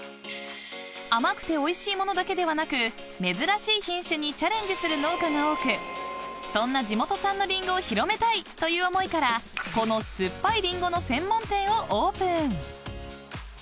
［甘くておいしい物だけではなく珍しい品種にチャレンジする農家が多くそんな地元産のりんごを広めたい！という思いからこの「すっぱい林檎の専門店。」をオープン］